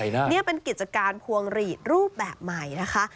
นี่เป็นกิจการพวงหลีดรูปแบบใหม่นะคะ